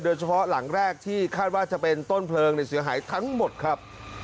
โดยเฉพาะหลังแรกที่คาดว่าจะเป็นต้นเพลิงเสียหายทั้งหมดครับ